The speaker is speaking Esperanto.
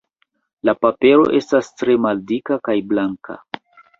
La papero estas tre maldika kaj blanka.